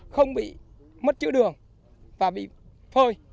không bị mất chữ đường và bị phơi